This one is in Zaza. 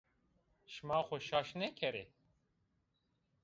Şima xo şaş nêkerê!